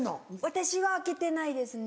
私は開けてないですね。